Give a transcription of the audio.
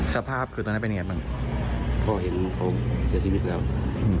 สภาพคือตอนนั้นเป็นยังไงบ้างพอเห็นเขาเสียชีวิตแล้ว